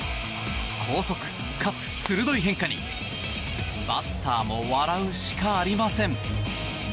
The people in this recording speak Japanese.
高速かつ鋭い変化にバッターも笑うしかありません。